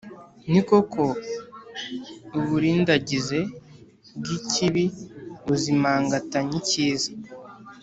Ni koko, uburindagize bw’ikibi buzimangatanya icyiza,